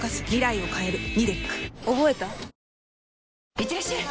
いってらっしゃい！